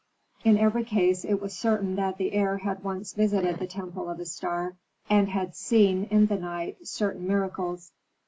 In every case it was certain that the heir had once visited the temple of Istar, and had seen, in the night, certain miracles.